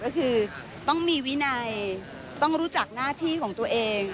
ก็คือต้องมีวินัยต้องรู้จักหน้าที่ของตัวเอง